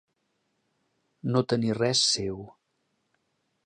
No tenir res seu.